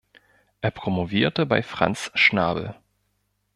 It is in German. Er promovierte bei Franz Schnabel.